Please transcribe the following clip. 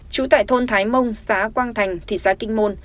chú tại thôn thái mông xã quang thành thị xác kinh môn